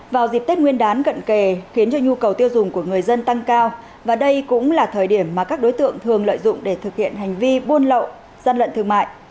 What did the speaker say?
vào dịp tết nguyên đán cận kề khiến cho nhu cầu tiêu dùng của người dân tăng cao và đây cũng là thời điểm mà các đối tượng thường lợi dụng để thực hiện hành vi buôn lậu gian lận thương mại